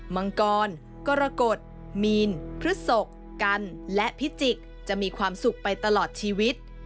มังกรกรกฎมีนพฤศกกันและพิจิกษ์จะมีความสุขไปตลอดชีวิต